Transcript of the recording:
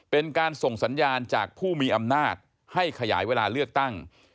เป็นการส่งสัญญาณจากผู้มีอำนาจให้ขยายเวลาเลือกตั้ง